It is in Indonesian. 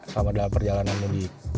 selama dalam perjalanan mobil